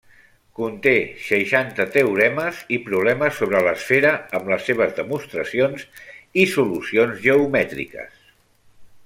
Conté seixanta teoremes i problemes sobre l’esfera amb les seves demostracions i solucions geomètriques.